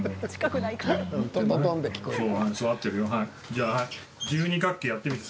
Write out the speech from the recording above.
じゃあ、十二角形やってみて。